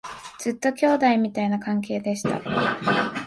ずっと兄弟みたいな関係でした